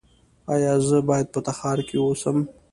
ایا زه باید په تخار کې اوسم؟